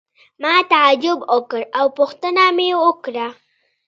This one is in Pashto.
ما تعجب وکړ او پوښتنه مې وکړه.